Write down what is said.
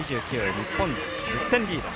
日本、１０点リード。